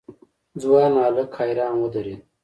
ځوان هک حيران ودرېد.